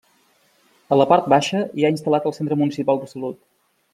A la part baixa hi ha instal·lat el Centre Municipal de Salut.